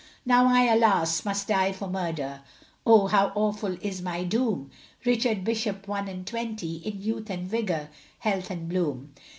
Now I, alas! must die for murder, Oh, how awful is my doom, Richard Bishop, one and twenty, In youth and vigour, health and bloom.